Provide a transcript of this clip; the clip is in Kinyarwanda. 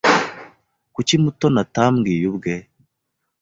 Kuki Mutoni atambwiye ubwe?